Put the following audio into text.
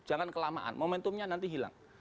jangan kelamaan momentumnya nanti hilang